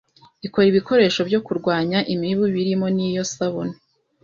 ikora ibikoresho byo kurwanya imibu birimo n'iyo sabune.